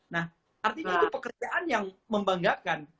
nah artinya itu pekerjaan yang membanggakan